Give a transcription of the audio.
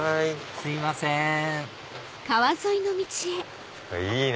すいませんいいな！